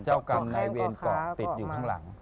เจ้ากรรมนายเวรเกาะติดอยู่ข้างหลัง